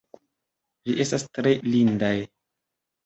Vi estas tre lindaj!